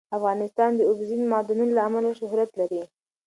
افغانستان د اوبزین معدنونه له امله شهرت لري.